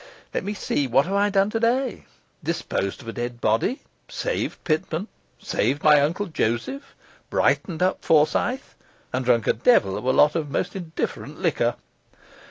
Let me see; what have I done today? Disposed of a dead body, saved Pitman, saved my Uncle Joseph, brightened up Forsyth, and drunk a devil of a lot of most indifferent liquor.